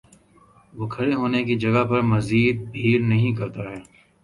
وہ کھڑے ہونے کی جگہ پر مزید بھیڑ نہیں کرتا ہے